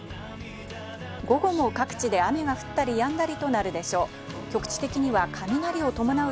午後も各地で雨が降ったりやんだりとなるでしょう。